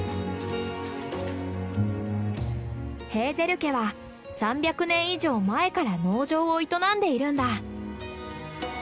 ヘーゼル家は３００年以上前から農場を営んでいるんだ。